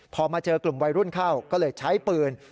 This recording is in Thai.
พอมาเจอกลุ่มวัยรุ่นเข้าก็เลยใช้ปืน